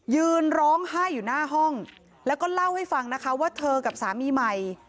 ยืนร้องไห้อยู่หน้าห้องแล้วก็เล่าให้ฟังนะคะว่าเธอกับสามีใหม่